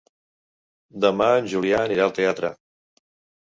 Demà en Julià anirà al teatre.